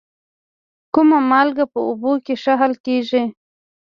کومه مالګه په اوبو کې ښه حل کیږي؟